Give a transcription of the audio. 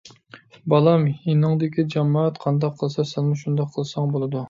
بالام، يېنىڭدىكى جامائەت قانداق قىلسا سەنمۇ شۇنداق قىلساڭ بولىدۇ.